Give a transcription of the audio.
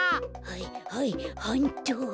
はいはいはんっと。